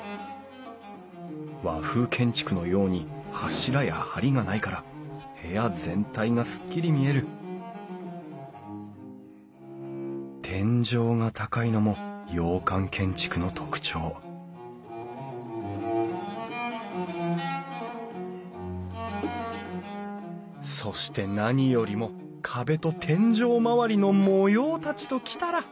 和風建築のように柱や梁がないから部屋全体がすっきり見える天井が高いのも洋館建築の特徴そして何よりも壁と天井周りの模様たちときたら！